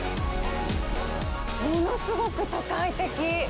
物すごく都会的。